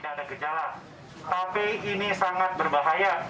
tidak ada gejala tapi ini sangat berbahaya